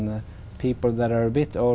ở quốc gia việt nam